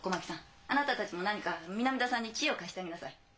あなたたちも何か南田さんに知恵を貸してあげなさい。